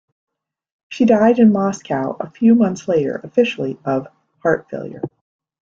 She died in Moscow a few months later, officially of heart failure.